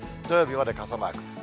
土曜日まで傘マーク。